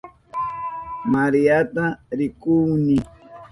Mariata rikuhuni.